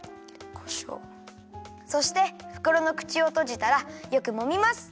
そしてふくろのくちをとじたらよくもみます！